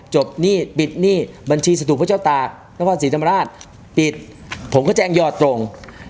หนี้ปิดหนี้บัญชีสตุพระเจ้าตากนครศรีธรรมราชปิดผมก็แจ้งยอดตรง